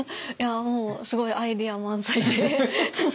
いやもうすごいアイデア満載で。